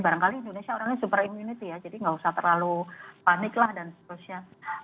barangkali indonesia orangnya super immunity ya jadi nggak usah terlalu panik lah dan seterusnya